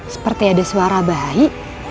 seperti ada suara bayi